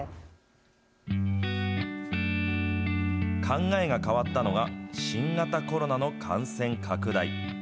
考えが変わったのが、新型コロナの感染拡大。